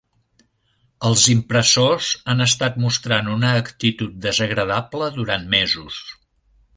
Els impressors han estat mostrant una actitud desagradable durant mesos.